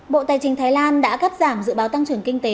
bộ tài chính thái lan đã cắt giảm dự báo tăng trưởng kinh tế